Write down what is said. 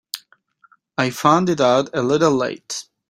I found it out a little late.